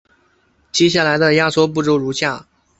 接下来的压缩步骤如下。